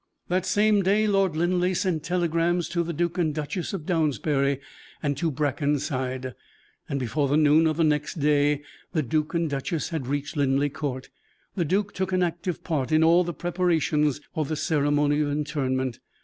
That same day Lord Linleigh sent telegrams to the Duke and Duchess of Downsbury and to Brackenside. Before the noon of the next day the duke and duchess had reached Linleigh Court. The duke took an active part in all the preparations for the ceremony of interment.